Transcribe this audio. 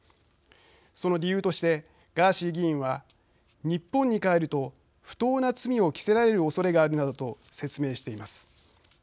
その理由としてガーシー議員は日本に帰ると不当な罪を着せられるおそれがあるなどと説明しています。